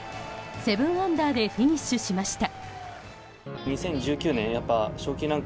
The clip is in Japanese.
７アンダーでフィニッシュしました。